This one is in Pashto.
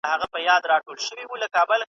ګواکي ټول بد عادتونه ورک سول ولاړه.